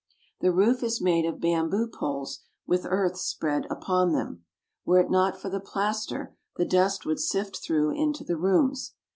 The roof is made of bamboo poles, with earth spread upon them. Were it not for the plaster, the dust would sift through into the rooms.